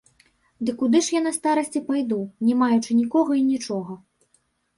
Ды куды ж я на старасці пайду, не маючы нікога і нічога?